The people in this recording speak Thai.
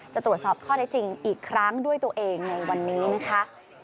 จะตรวจสอบข้อได้จริงอีกครั้งด้วยตัวเองในวันนี้นะคะ